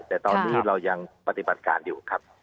แต่ตอนนี้เรายังปฏิบัติการอยู่ครับ